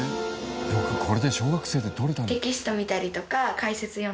よくこれで小学生で取れたな。